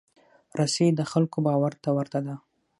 رسۍ د خلکو باور ته ورته ده.